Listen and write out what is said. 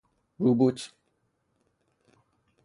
روبوت